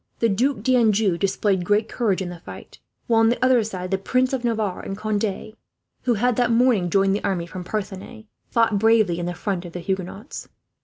The Duc d'Anjou displayed great courage in the fight; while on the other side the Princes of Navarre and Conde, who had that morning joined the army from Parthenay, fought bravely in the front of the Huguenots.